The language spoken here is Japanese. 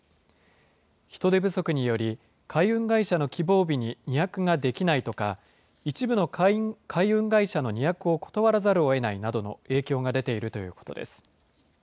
人手不足により、海運会社の希望日に荷役ができないとか、一部の海運会社の荷役を断らざるをえないなどの影響が出ているということです。